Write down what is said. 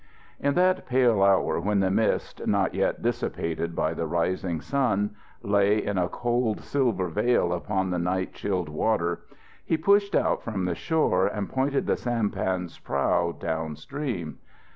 In that pale hour when the mist, not yet dissipated by the rising sun, lay in a cold, silver veil upon the night chilled water, he pushed out from the shore and pointed the sampan's prow downstream.